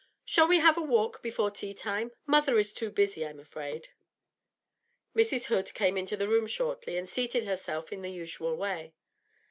'Shall we have a walk before tea time? Mother is too busy, I'm afraid.' Mrs. Hood came into the room shortly, and seated herself in the usual way.